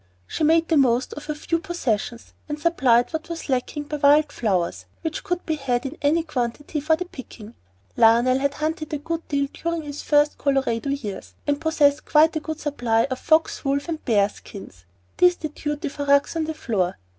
She made the most of her few possessions, and supplied what was lacking with wild flowers, which could be had in any quantity for the picking. Lionel had hunted a good deal during his first Colorado years, and possessed quite a good supply of fox, wolf, and bear skins. These did duty for rugs on the floor.